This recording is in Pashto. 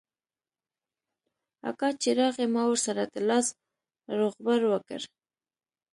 اکا چې راغى ما ورسره د لاس روغبړ وکړ.